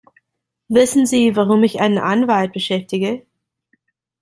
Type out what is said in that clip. Wissen Sie, warum ich einen Anwalt beschäftige?